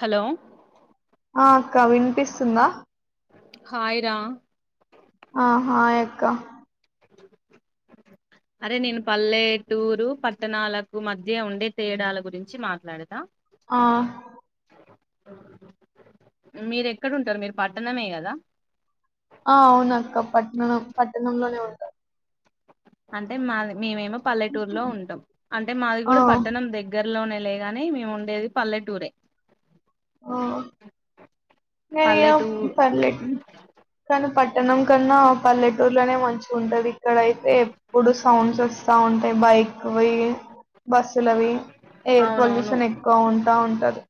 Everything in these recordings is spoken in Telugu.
హలో ఆ అక్క వినిపిస్తుందా? హాయ్ రా ఆ హాయ్ అక్క అ అరె నేను పల్లేటూరు పట్టణాలకు మధ్య ఉండే తేడాల గురించి మాట్లాడిన ఆ మీరెక్కడుంటారు మీరు పట్టణమే గద ఆ అవునక్క పట్టణం పట్టణంలోనే ఉంటాం అంటె మాది మేమేమో పల్లెటూరులో ఉంటాం అంటె మాది ఆ గూడ పట్టణం దగ్గర్ లోనే లేగాని మేము ఉండేది పల్లెటూరే పల్లెటూరు సర్లే ఉమ్, కాని పట్ పట్టనం కన్నా పల్లెటూరులోనె మంచిగుంటది ఇక్కడయితే ఎప్పుడు సౌండ్స్ వస్తా ఉంటాయి ఎక్కువయ్యి బస్సులవి ఎయిర్ అవునవును పొల్ల్యుషన్ ఎక్కువ ఉంటా ఉంటది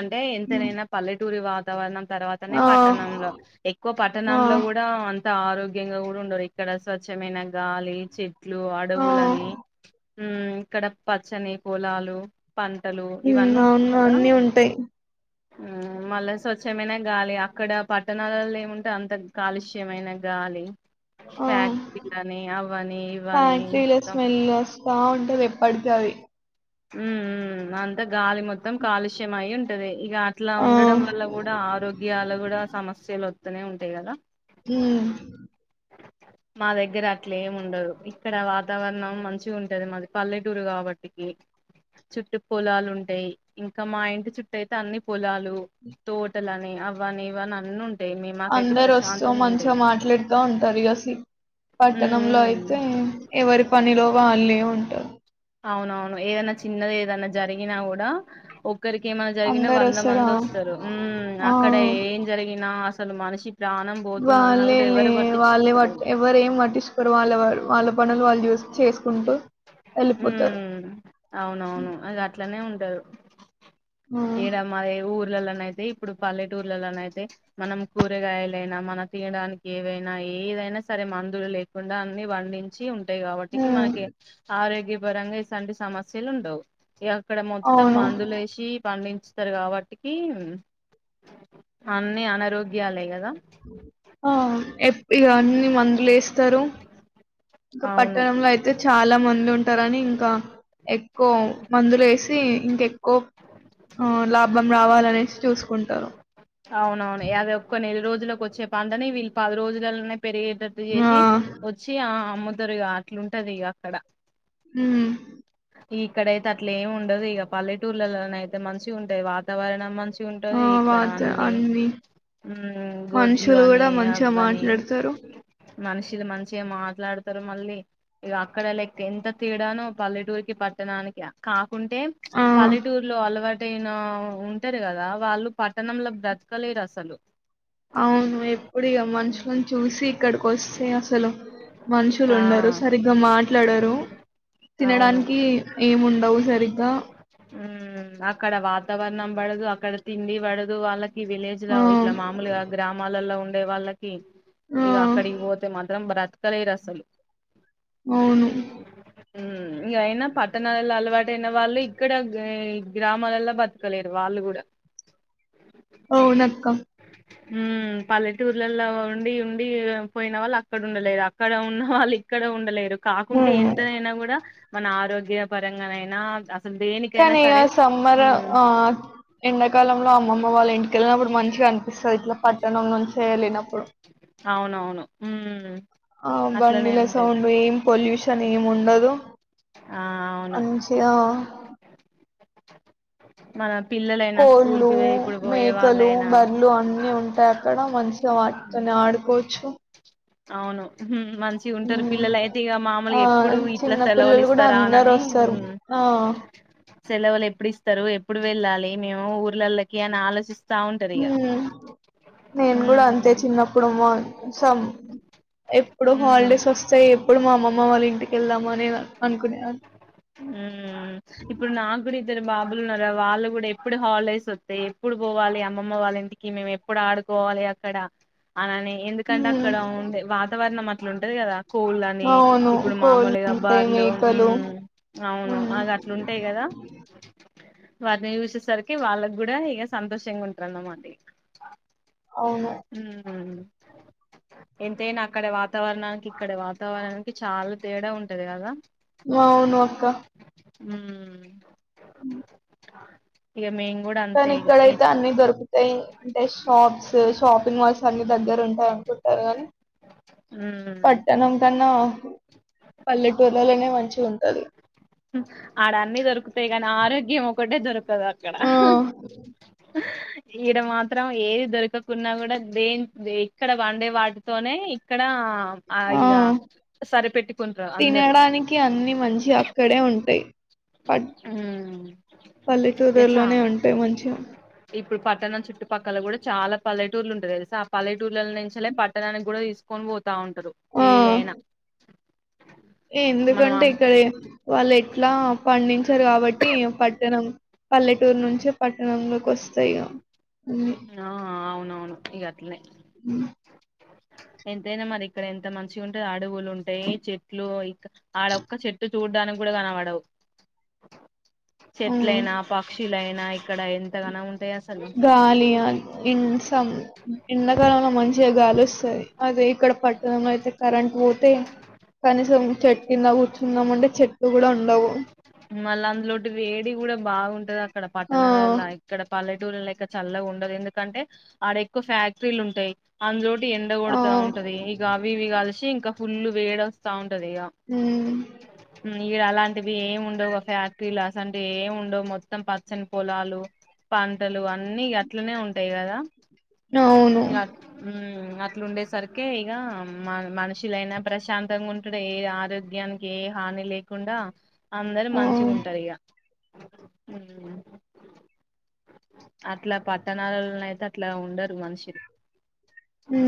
అంటే ఉమ్. ఎంతనైనా పల్లెటూరి వాతావరణం తర్వాతనె ఆ పట్టణంలొ ఎక్కువ ఆ పట్టణంలో గూడ ఆరోగ్యంగా గూడ ఉండరు ఇక్కడ స్వచ్ఛమైన గాలి చెట్లు ఆ అడవులని ఉమ్ ఇక్కడ పచ్చని పొలాలు పంటలు ఉమ్ అవును అన్నీ ఉంటాయి హుమ్ మళ్ళ స్వచ్ఛమైన గాలి అక్కడ పట్టణాలల్లో ఏముంటది అంత కాలుష్యమైన గాలి గాలి ఆ ఫ్యాక్టరీలని అవ్వని ఇవ్వని మొత్తం బాగుంటది ఎప్పటి అవి ఉమ్ ఉమ్ అంత గాలి మొత్తం కాలుష్యమయి ఉంటది ఇగ అట్లా ఉండడం ఆ వల్ల గూడా ఆరోగ్యాలు గూడ సమస్యలొనె ఉంటాయి గదా ఉమ్ [unintelligible] మా దగ్గర అట్లేముండదు ఇక్కడ వాతావరణం మంచిగుంటది మాది పల్లెటూరు గాబట్టి చుట్టు పొలాలుంటాయి ఇంకా మా ఇంటి చుట్టూ అయితె అన్ని పొలాలు తోటలని అవ్వని ఇవ్వని అన్ని ఉం అందరొస్తు మంచిగ మాట్లాడుతా ఉన్ టారు సరిగసి పట్టణంలొ ఉమ్ అయితె ఎవరి పనిలొ వాళ్ళే ఉంటారు అవునవును ఏదన్నా చిన్నదేదన్నా జరిగినా గూడా ఒప్ ఒక్కరికి ఏమైన్న జరిగిన అందరు వంద వస్తారా మందొస్తారు హుమ్ ఆ అక్కడ ఏం జరిగినా అసలు మనిషి క్ ప్రాణం పోతుందన్నా గూడా ఎవరు పట్ వాళ్ళేపట్ ఎవరు ఏం పట్టించుకొరు వాళ్ళ వాళ్ళ పనులు వాళ్ళు చూస్ చేసుకుంటూ వెళ్ళిపోతారు ఉమ్ అవునవును అదిట్లనె ఉంటరు ఉమ్ ఈడ మాది ఊరు పిల్లలనయితే ఇప్పుడు పల్లెటూర్లలొనయితె మనం కూరగాయలైనా మన తినడానికి ఏవైనా న ఏదైనా సరే మందులు లేకుండా అన్ని వండించి ఉంటాయి కాబట్టికి ఉమ్, మనకి ఆరోగ్య. పరంగా ఇసంటి సమస్యలు ఉండవు ఇగ అక్కడ మొత్తం అవును మందులు వేసి పండి. వస్తారు కాబట్టికి అన్నీ అనారోగ్యాలే కదా. ఆ ఎప్ ఇగ అన్ని మందులు వేస్తారు ఇంకా అవును పట్టణంలో అయితే చాలా మంది. మందు ఉంటారని ఇంకా ఎక్కువ మందులు వేసి ఇంక ఎక్కువ. ఆ లాభం రావాలనేసి చూసుకుంటారు. అవునవును యాది ఒప్పుకో వృద్ధిలోకి వచ్చే పంటని వీళ్ళు పది రోజులనే పెరిగేటట్టు ఆ చేసి వచ్చి ఆ అమ్ముదురుగా అట్లుంటది ఇక అక్కడ మ్ ఇక్కడయితే అట్లే ఏమి ఉండదు ఇక పల్లెటూర్లలో నయితే మంచిగా ఉంటాది వాతావరణం మంచిగా వ ఉంటుది ఆ ఇక్కడ వాత అన్ని. ఉ గొడ్లు మనుషులు అని కూడా మంచిగా అవ్వని మాట్లాడతారు మనషి ఇది మంచిగా మాట్లాడతారు మళ్ళీ ఇగ అక్కడ లైక్. ఎంత తేడానో పల్లెటూర్కి పట్టణానికి కాకుంటే ఆ పల్లెటూరులో అలవాటు. టైనా ఉంటారు కదా వాళ్ళు పట్టణంలో బ్రతకలేరు అసలు అవును ఎప్పుడు ఇగ ఉమ్. మనుషులను చూసి ఇక్కడికి వస్తే అసలు. మనుషులు ఉండరు సరిగ్గా మాట్లాడరు. అవునా అవును తినడానికి ఏముండవు సరిగ్గా హమ్ అక్కడ వాత వాతావరణం పడదు అక్కడ తిండి పడదు వాళ్ళకి విలేజ్ లో ఆ ఇట్లా మామూలుగా గ్రామాలలో ఉండ్. ఉండే వాళ్ళకి ఆ ఇక అక్కడికి పోతే మాత్రం బ్రతకలేరు అసలు అవును ఉమ్ ఇంకయినా పట్టణాలలో అలవాటైన వాళ్ళు ఇక్కడ గ్రామాలల్లో బతకలేరు వాళ్ళు కూడా. [unintelligible] అవునక్కా ఉ పల్లెటూర్లలో ఉండి ఉండి పోయిన వాళ్ళు అక్కడ ఉండలేరు అక్కడ ఉన్నవాళ్ళు ఇక్క ఇక్కడ ఉండలేరు కాకుంటే ఉమ్ ఎంతనైనా కూడా మన ఆరోగ్య పరంగానైనా అక్ కానీ ఆ సమ్మర్ ఆ ఎండాకాలంలో అమ్మమ్మ వాళ్ళింటి వెళ్ళినప్పుడు మంచిగా అనిపిస్తది ఇట్లా పట్టణం నుంచి వెళ్ళినప్పుడు. అవునవును ఉమ్ ఆ అట్లనే బండిల ఉంటది సౌండ్ ఏం పొల్యూషన్ ఏం ఉండదు. ఆ అవును మంచిగా. మనక్ కోళ్ళు మేకలు వాళ్ళైనా బర్ లు అన్ని ఉంటాయి అక్కడ మంచిగా వాటితోని ఆడు. కోచ్చు అవును హుమ్ మంచిగా ఉంటారు పిల్లలు అయితే ఇక మామలు ఆ ఎప్పుడు ఇట్లా చిన్న సెలవులు పిల్లలు కూడా ఇస్తారా అందరు ఆనని. వస్తారు ఆ సెలవులు ఎప్పుడు ఇస్తారు ఎప్పుడు వెళ్ళాలి మేము ఊర్లళకి అని ఆలోచిస్త. మ్ నేను కూడా అంతే ఉమ్ చిన్నప్పుడు మా సం. ఎప్పుడు ఉమ్ హాలిడేస్ వస్తాయి ఎప్పుడు మా అమ్మమ్మ వాళ్ళ ఇంటికి వెళ్దామని అనేద్ అనుకునేదాని. ఊ ఇప్పుడు నాకు కూడీ ఇద్దరు బాబులున్నార వాళ్ళు గూడెప్పుడు హాల్డేస్ ఒతయ్ ఎప్పుడు పోవాలి అమ్మమ్మ వాళింటికి మేమ్ ఎప్పుడు ఆడు పోవాలి అక్కడ అలానే ఎందుకంటే ఉమ్ అక్కడ వుండే వాతావర్ణం అట్లుంటది గదా స్కూల్ అని అవును ఇప్పుడు కోళ్ళు మామూలుగా ఉంటాయి బార్లు ఉమ్ మేకలు అవును ఉమ్ ఇగ అట్లు ఉంటయ్ గదా [unintelligible] వాటిని చూసేసరికి వాళ్ళక్ గుడా ఇగ సంతోషంగా ఉంటరన్నమాట ఇ అవును. అవును ఎంతైన అక్కడ వాతావరణానికి ఇక్కడ వాతావరణానికి చాలా తేడా ఉంటది కదా అవును అక్క. మ్మ్ అ ఇగ మెయిన్ కని ఇక్కడైతే అన్ని దొరుకుతయి అంటే షాప్స్ షాపింగ్ మాల్స్ అన్ని దగ్గరుంటయి అనుకుంటర్ గని ఉమ్ పట్టణం కన్నా పల్లెటూర్లల్లనే ఆడ అన్ని దొరుకుతయి కని ఆరోగ్యం ఒకటే దొరు తదక్కడ ఆ ఈడ మాత్రం ఏది దొరకకున్నా గుడా దే దే ఇక్కడ పండే వాటితోనే ఇక్కడా ఆ హాయిగా తినడానికి అన్ని మంచి అక్కడే ఉంటయి. పట్ ఉమ్ ఇక చా పల్లెటూరులోనే ఉంటయి మంచిగ ఇప్పుడు పట్టణం చుట్టుపక్కల గుడా చాలా పల్లెటూర్లులుంటే తెల్సా పల్లెటూర్ల నుంచిలే పట్టణానికి గుడా తీస్కొని పో తా ఉంటరు ఆ ఏయైన ఎందుకంటే ఇక్కడే వాళ్ళెట్లా పండించర్ కాబట్టి ఈ పట్టణం పల్లెటూర్ నుంచే పట్టణంలో కొస్తయిగా అవును ఇగ అట్లనే మ్ ఎంతైనా మరి ఇక్కడ ఎంత మంచిగుంటద్ అడవులుంటయి చెట్లు ఆడొక్క చెట్టు చూడ్డానికి గుడా కనపడవు చెట్లైనా పక్షిలైనాయి గాలియ ఇన్ సమ్ ఎండాకాలంలో మంచిగ గాలొస్తది అదే ఇక్కడ పట్టణంలో అయితే కరెంట్ పోతే కనీసం చెట్టు కింద కూర్చుందాం అంటే చెట్లు గుడా ఉండవు. మళ్ళ అందులోటి వేడి గుడా బాగుంటది అక్కడ ఆ పట్టణాలల్ల ఇక్కడ పల్లె టూర్ లెక్క చల్లగుండదు ఎందుకంటే ఆడ ఎక్కో ఫ్యాక్టరీలుంటయి అందులో ఎండ ఆ గొడతా ఉంటది ఇగ అవి ఇవి కలిసి ఇంక ఫుల్లు వేడస్తా ఉంటి టది ఆ ఉమ్ ఈడ అలాంటివి ఏం ఉండవు ఒక ఫ్యాక్టరీలు అసంటివి ఏం ఉండవు మొత్తం పచ్చని పొలాలు పంటలు అన్నీ ఇగ అట్లనే ఉంటయి గదా అవును ఇగ హ్మ్ అట్లుండే సరికే ఇగ మ మనుషులైనా ప్రశాంతంగ ఉంటడే ఏ ఆరోగ్యానికి ఏ హాని లేకుండా అందరు ఆ మంచిగుంటర్ ఇగ అట్ల పట్టణాలల్లో అయితే అట్ ట్ల ఉండరు మనుషులు హ్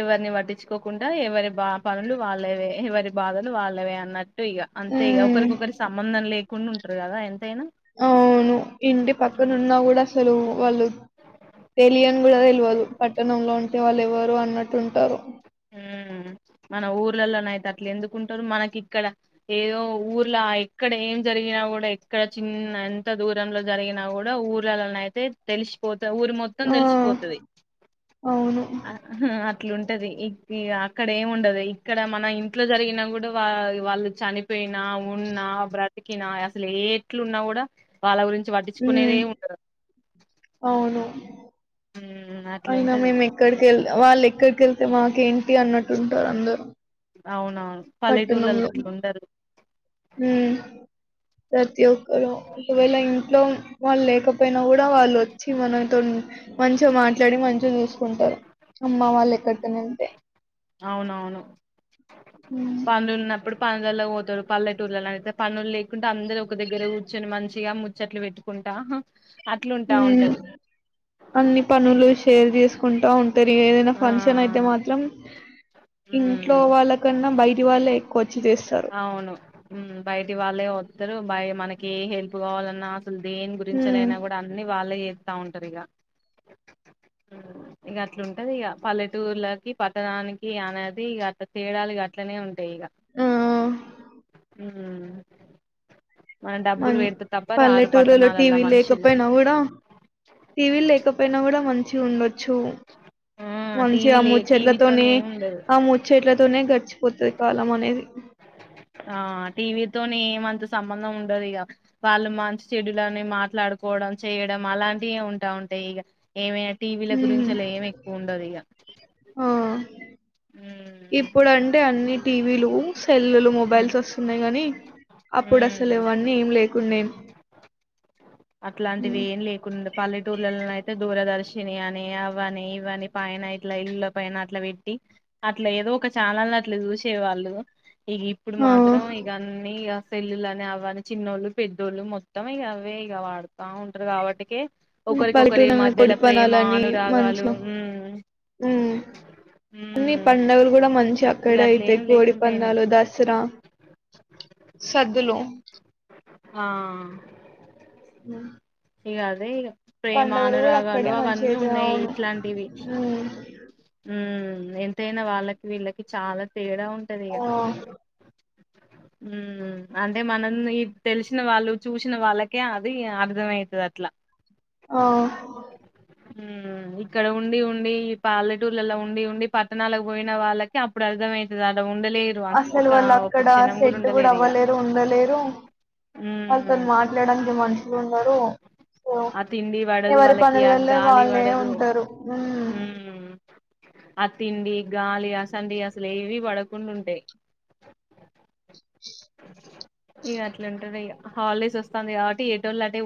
ఎవర్ని పట్టించుకోకుండా ఎవరి బా పనులు వాళ్ళవే ఎవరి బాధలు వాళ్ళవే అన్నట్ ట్టు ఇగ అంతే ఇగ ఉమ్ ఒకరికొకరి సంబంధం లేకుండా ఉంటరు గదా ఎం అవును ఇంటి పక్కన ఉమ్, ఉన్నా కూడా అసలు వాళ్ళు తెలియన్ కూడా తెల్వదు పట్టణంలో ఉంటే వాళ్ళు ఎవరో అన్నట్టు ఉంటారు ఊ మన ఊర్లలోన అయితే అట్లు ఎందుకుంటారు మనకి ఇక్కడ ఏదో ఊర్లో ఇక్కడ ఏం జరిగి కూడా ఇక్కడ చిన్న ఎంత దూరంలో జరిగినా కూడా ఊర్లలోనే అయితే తెలిసి ఊరి మొత్తం ఆ తెలిసిపోతది అవును ఇట్లు ఉంటది అక్కడ ఏమి ఉండదు ఇక్కడ మన ఇంట్లో జరిగినా కూడా వాళ్ళు వాళ్ళ చనిపోయి పోయిన ఉన్నా బ్రతికినా అసలు ఏ ఎట్లు ఉన్నా కూడా వాళ్ళ గురించి పట్టించుకునేదే ఉమ్ ఉండదు అవును అయినా అట్లుంటది మేము ఎక్కడికెళ్ వాళ్ళు ఎక్కడికెళ్తే మాకేంటి అన్నట్టుంటారు అందరు అవునవును పల్లెటూళ్ళలో అట్లా ఉండరు ఉమ్ ప్రతి ఒక్కరు ఒకవేళ ఇంట్లో వాళ్ళు లేకపోయినా కూడా వాళ్ళు వచ్చి మనతో మంచిగా మాట్లాడి మంచిగా చూసుకుంటారు అమ్మ వాళ్ళు ఎక్కడికన్నా వెళ్తే అవునవును ఉమ్ పనులు ఉన్నప్పుడు పనులల్లో పోతారు పల్లెటూళ్లలో అయితే పనులు లేకుంటే అందరు ఒక దగ్గర కూర్చొని మంచి గా ముచ్చట్లు పెట్టుకుంటా అట్లుంటా ఊ ఉంటారు అన్ని పనులు షేర్ చేసుకుంటా ఉంటా తేరి ఏదైనా ఆ ఫంక్షన్ అయితే మాత్రం ఇంట్లో ఉమ్ వాళ్ళకన్నా బయటి వాళ్ళే ఎక్కువ వచ్చి చేస్తారు కొత్తరు బై మనకి ఏ హెల్ప్ కావాలన్నా అసలు దేని ఉమ్ గురించైనా కూడా అన్ని వాళ్ళే చే త్త ఉంటారు ఇగ ఇగా అట్లా ఉంటది ఇక పల్లెటూర్లకి పట్టణానికి అనేది ఇ అట్ తేడాలు అట్లనే ఉంటాయి ఇగ ఆ ఊ మం పల్లెటూరులలో టీవీ మనుషులు లేకపోయినా కూడా టీవీలు లేకపోయినా కూడా మంచి చి ఉండొచ్చు ఆ మంచిగా టీవీ ఆ లే టీవీతోని ముచ్చట్లతోనే ఏం ఉండదు ఆ ముచ్చట్లతో తోనే గడిచిపోతది కాలం అనేది ఆ టీవీతోనే ఏమంత సంబంధం ఉండదు ఇగా వాళ్ళు మంచి చెడులను మాట్లాడుకు కోవడం చేయడం అలాంటివి ఉంటా ఉంటాయి ఇగా ఏమే టీవీల ఉమ్ గురించి అలా ఏం ఎక్కువ ఉండదు ఇగా ఆ ఇప్పుడు అంటే అన్ని టీవీలు సెల్లులు మొబైల్స్ వస్తున్నాయి గానీ అప్పుడు అసలు ఆవన్నీ ఏం లేకుండెన్ అట్లాంటివి ఏం లేకుండా పల్లెటూళ్లలో అయితే దూరదర్శిని అని అవని ఇవని పైన ఇట్లా ఇళ్ల పైన అట్లా పెట్టి అట్లా ఏదో ఒక ఛానల్ని అట్లా చూసే వాళ్ళు ఇగా ఇప్పుడు ఆ మాత్రం ఇగ అన్నీ ఇ సెల్లులని అవి అని చిన్నోళ్ళు పెద్దోళ్ళు మొత్తం ఇగ ఆవే ఇగా వాడుతా ఉంటారు కాబట్టికే ఒకరికొకరి పల్లెటూరులోనే మధ్యలో కోడి ప్రేమ అనురాగాలు ఉ ఊ అన్ని పండుగలు కూడా మంచిగా ఇక అక్కడే అట్లా అయితాయి ఏం కోడి లేకుంటాయినాయి పందలు దసరా సద్దులు ఆ ఉ ఇగ అదే ఇగ ప్రేమ అనురాగాలు మంచిగా అవన్నీ అయితాయి ఉన్నాయి అవును ఇట్లాంటివి ఉమ్ ఊ ఎంతైనా వాళ్ళకి వీళ్ళకి చాలా తేడా ఉ ఆ [inaudible] ఉ అంటే మనం తెలిసిన వాళ్ళు చూసిన వాళ్ళకే అది అర్థమవుతుది అట్లా ఓ మ్మ్ ఇక్కడ ఉండి ఉండి పల్లెటూర్లలో ఉండి ఉండి పట్టణాలకు పోయిన వాళ్ళకి అప్పుడు అర్థం అర్థమైతది అసలు వాళ్ళు అక్కడ సెట్ కూడా ఉండలేరు ఇగ అవ్వలేరు ఉండలేరు ఉమ్ వాళ్లతోని మాట్లాడడానికి మనుషులు ఉండారు ఆ తిండి పడదు వాళ్ళకి ఆ పనులలో గాలి వాళ్ళే పడదు ఉంటారు హ ఉమ్ ఆ తిండి గాలి అసండీ అసలు ఏవి పడకుండా ఉంటాయి [inaudible] ఇగ అట్లావుంటది ఇగ హాలిడేస్ వాస్తది కాబట్టి ఏటోలు ఆటే,